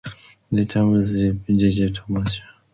The term was coined by J. J. Thomson.